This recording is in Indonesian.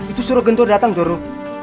itu suruh kentok datang doro